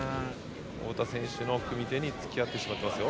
太田選手の組み手につきあってしまっていますよ。